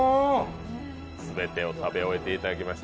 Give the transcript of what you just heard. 全てを食べていただきました。